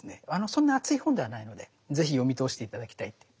そんな厚い本ではないのでぜひ読み通して頂きたい。